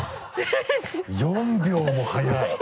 ４秒も早い。